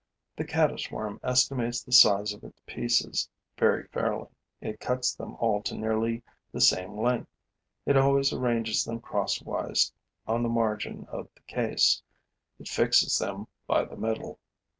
The caddis worm estimates the size of its pieces very fairly; it cuts them all to nearly the same length; it always arranges them crosswise on the margin of the case; it fixes them by the middle.